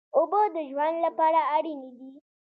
اوبه د ژوند لپاره اړینې دي.